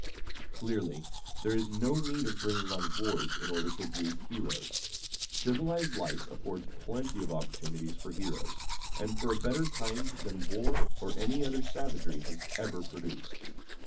Clearly, there is no need of bringing on wars in order to breed heroes. Civilized life affords plenty of opportunities for heroes, and for a better kind than war or any other savagery has ever produced.